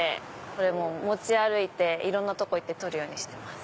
これも持ち歩いていろんな所行って撮るようにしてます。